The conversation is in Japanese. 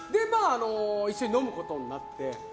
一緒に飲むことになって。